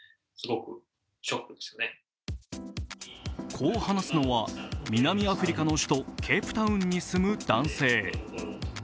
こう話すのは、南アフリカの首都ケープタウンに住む男性。